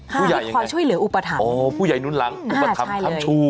ผู้ใหญ่คอยช่วยเหลืออุปถัมภอ๋อผู้ใหญ่นุ้นหลังอุปถัมภ์คำชู